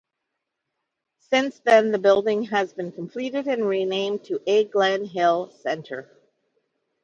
Since then the building has been completed and renamed to A. Glenn Hill Center.